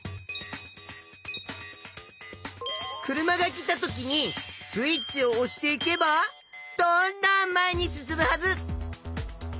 車が来たときにスイッチをおしていけばどんどん前に進むはず！